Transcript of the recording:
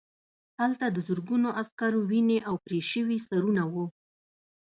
هلته د زرګونو عسکرو وینې او پرې شوي سرونه وو